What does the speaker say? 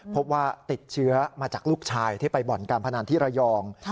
พบว่าติดเชื้อมาจากลูกชายที่ไปบ่อนการพนันที่ระยอง